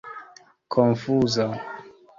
konfuza